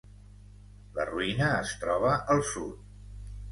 La ruïna es troba al sud.